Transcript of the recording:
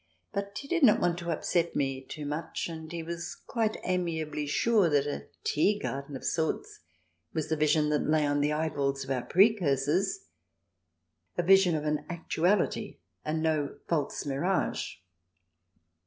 But he did not want to upset me too much, and he was quite amiably sure that a tea garden of sorts was the vision that lay on the eyeballs of our precursors — a vision of an actuality, and no false mirage.